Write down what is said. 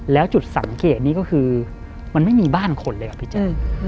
แล้วจุดสังเกตนี้ก็คือมันไม่มีบ้านคนเลยครับพี่แจ๊ค